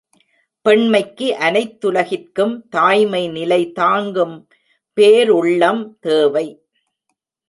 பெண்மைக்கு அனைத்துலகிற்கும் தாய்மை நிலை தாங்கும் பேருள்ளம் தேவை.